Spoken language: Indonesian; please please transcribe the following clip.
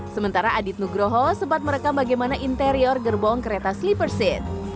sementara adit nugroho sempat merekam bagaimana interior gerbong kereta sleeper seat